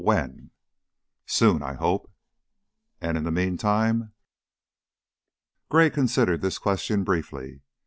When?" "Soon, I hope." "And in the meantime?" Gray considered this question briefly.